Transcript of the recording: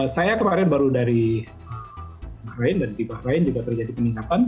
saya kemarin baru dari bahkan dari tipe lain juga terjadi peningkatan